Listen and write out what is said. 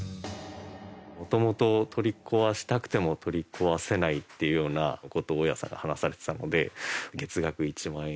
もともと取り壊したくても取り壊せないっていうような事を大家さんが話されてたので。